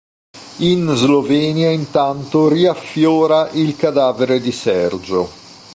In Slovenia intanto riaffiora il cadavere di Sergio.